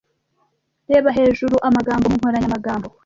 Reba hejurue amagambo mu nkoranyamagambo.